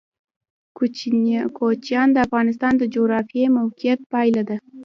کوچیان د افغانستان د جغرافیایي موقیعت پایله ده.